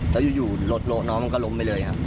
แล้วอยู่รถโละน้องมันก็ล้มไปเลยครับ